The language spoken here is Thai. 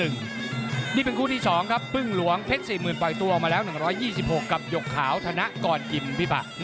นี่เป็นคู่ที่๒ครับพึ่งหลวงเพชร๔๐๐๐ปล่อยตัวออกมาแล้ว๑๒๖กับหยกขาวธนกรยิมพี่บะ